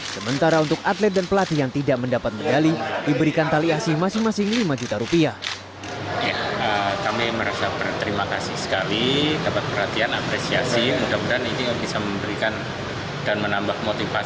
sementara untuk atlet dan pelatih yang tidak mendapat medali diberikan tali asi masing masing lima juta rupiah